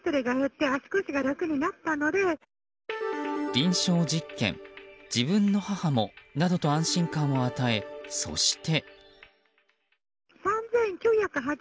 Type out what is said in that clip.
臨床実験、自分の母もなどと安心感を与え、そして。